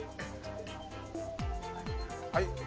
はい。